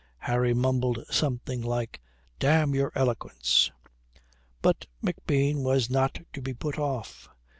Harry mumbled something like, "Damn your eloquence." But McBean was not to be put off.